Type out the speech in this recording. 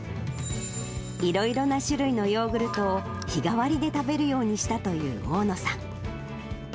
いろいろな種類のヨーグルトを日替わりで食べるようにしたという大野さん。